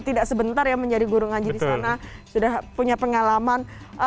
tidak sebentar ya menjadi guru ngaji di sana sudah punya pengalaman